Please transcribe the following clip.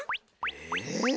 え？